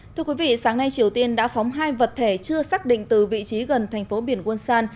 thưa quý vị sáng nay triều tiên đã phóng hai vật thể chưa xác định từ vị trí gần thành phố biển quân san